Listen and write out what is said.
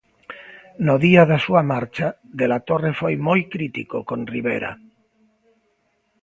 No día da súa marcha, De la Torre foi moi crítico con Rivera.